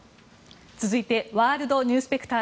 続いてワールドニュースペクター。